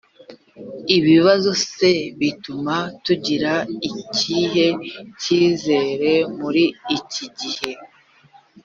ibibazo se bituma tugira ikihe cyizere muri iki gihe